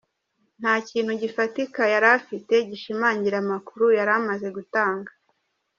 Nta kintu gifatika yari afite gishimangira amakuru yari amaze gutanga.